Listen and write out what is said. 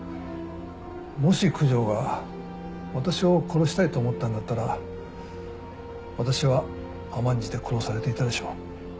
もし九条が私を殺したいと思ったんだったら私は甘んじて殺されていたでしょう。